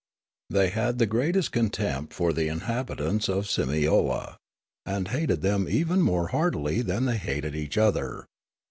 They had the greatest contempt for the inhabitants of Simiola, and hated them even more heartily than they hated each other.